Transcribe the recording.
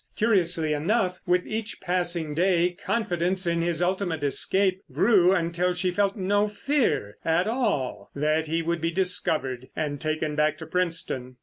Curiously enough, with each passing day confidence in his ultimate escape grew until she felt no fear at all that he would be discovered and taken back to Princetown.